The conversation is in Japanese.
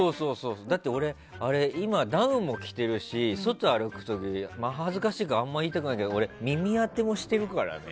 だって俺今、ダウンも着てるし外、歩く時、恥ずかしいからあまり言いたくないけど耳当てもしているからね。